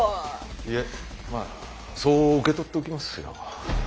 いえまあそう受け取っておきますよ。